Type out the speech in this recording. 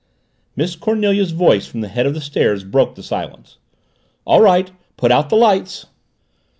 Miss Cornelia's voice from the head of the stairs broke the silence. "All right! Put out the lights!"